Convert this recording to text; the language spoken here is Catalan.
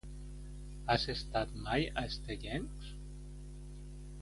Has estat mai a Estellencs?